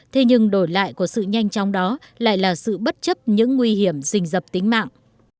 thế nhưng đổi lại của sự nhanh chóng đó lại là sự bất chấp những nguy hiểm rình dập tính mạng